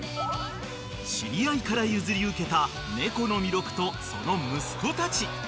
［知り合いから譲り受けた猫のみろくとその息子たち］